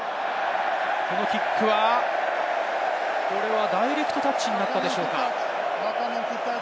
これはダイレクトタッチになったでしょうか。